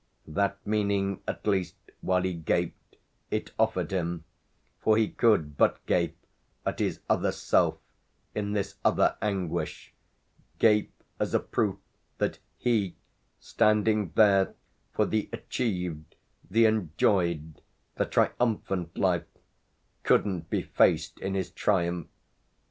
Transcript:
That meaning at least, while he gaped, it offered him; for he could but gape at his other self in this other anguish, gape as a proof that he, standing there for the achieved, the enjoyed, the triumphant life, couldn't be faced in his triumph.